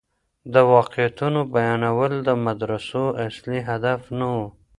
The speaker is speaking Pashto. د واقعيتونو بيانول د مدرسو اصلي هدف نه و.